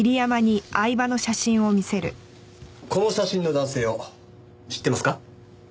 この写真の男性を知ってますか？